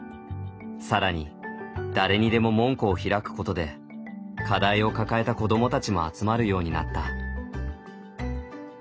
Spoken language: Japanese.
更に誰にでも門戸を開くことで課題を抱えた子どもたちも集まるようになった。